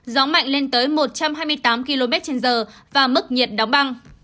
gió mạnh lên tới một trăm hai mươi tám km trên giờ và mức nhiệt đóng băng